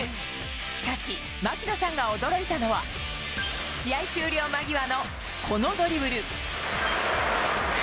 しかし、槙野さんが驚いたのは、試合終了間際のこのドリブル。